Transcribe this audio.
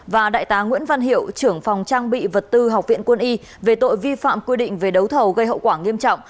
và đại tá nguyễn văn hiệu trưởng phòng trang bị vật tư học viện quân y về tội vi phạm quy định về đấu thầu gây hậu quả nghiêm trọng